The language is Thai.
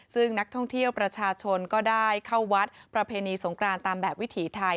ซึ่งนักท่องเที่ยวประชาชนก็ได้เข้าวัดประเพณีสงครานตามแบบวิถีไทย